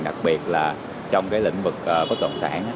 đặc biệt là trong lĩnh vực bất động sản